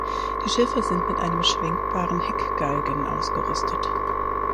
Die Schiffe sind mit einem schwenkbaren Heckgalgen ausgerüstet.